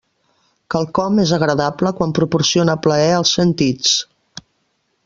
Quelcom és agradable quan proporciona plaer als sentits.